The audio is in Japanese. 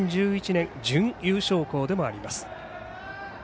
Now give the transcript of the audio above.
２０１１年の準優勝校でもあります。